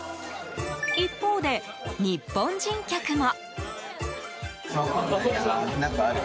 一方で、日本人客も。